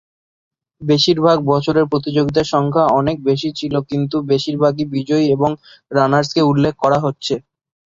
বেশিরভাগ বছরে প্রতিযোগিতার সংখ্যা অনেক বেশি ছিল কিন্তু বেশিরভাগই বিজয়ী এবং রানার্সকে উল্লেখ করা হচ্ছে।